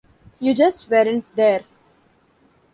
You just weren't there.